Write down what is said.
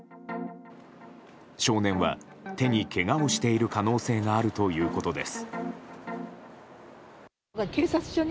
少年は、手にけがをしている可能性があるということです。